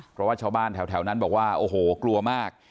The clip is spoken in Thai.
เพราะว่าชาวบ้านแถวนั้นบอกว่าโอ้โหกลัวมาก